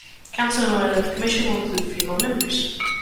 The council noted that the commission will include female members.